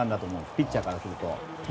ピッチャーからすると。